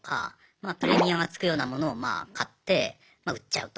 まあプレミアムがつくようなものをまあ買ってまあ売っちゃうと。